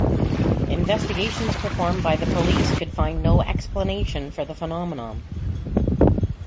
Investigations performed by the police could find no explanation for the phenomenon.